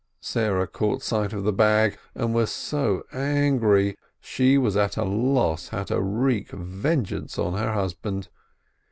Sarah caught sight of the bag, and was so angry, she was at a loss how to wreak vengeance on her husband.